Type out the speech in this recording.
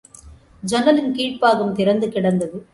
ஜன்னலின் கீழ்ப்பாகம் திறந்து கிடந்தது.